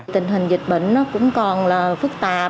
tình hình dịch bệnh cũng còn phức tạp